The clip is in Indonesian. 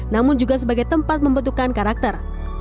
namun juga sebagai tempat membentukan karakter